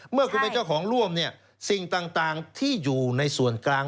เมื่อคุณเป็นเจ้าของร่วมสิ่งต่างที่อยู่ในส่วนกลาง